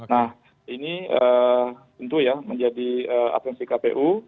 nah ini tentu ya menjadi atensi kpu